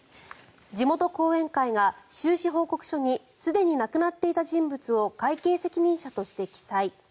地元後援会が収支報告書にすでに亡くなっていた人物を会計責任者として記載。